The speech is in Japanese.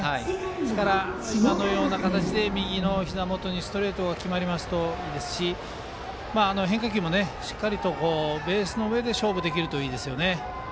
ですから今のような形でひざ元にストレートが決まりますといいですし変化球もしっかりベースの上で勝負できるといいですね。